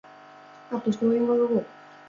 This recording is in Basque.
Apustu egingo dugu?